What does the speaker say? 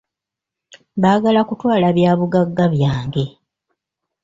Baagala kutwala byabugagga byange.